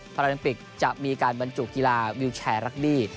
ราลิมปิกจะมีการบรรจุกีฬาวิวแชร์รักดี้